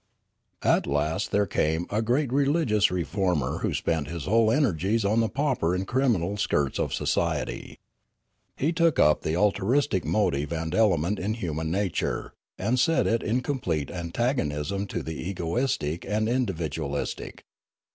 " At last there came a great religious reformer who spent his whole energies on the pauper and criminal skirts of society. He took up the altruistic motive and element in human nature, and set it in complete antagonism to the egoistic and individualistic.